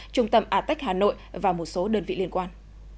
trung tâm atec hà nội và một số đơn vị liên quan